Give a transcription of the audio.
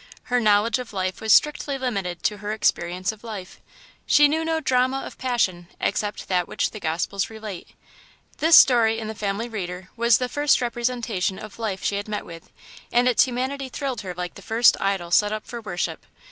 Her knowledge of life was strictly limited to her experience of life; she knew no drama of passion except that which the Gospels relate: this story in the Family Reader was the first representation of life she had met with, and its humanity thrilled her like the first idol set up for worship.